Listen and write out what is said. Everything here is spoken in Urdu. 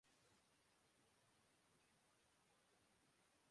میں سوچ رہا تھا کہ اگر یہ جگہ اتنی خوب صورت ہے تو جنت کیسی ہو گی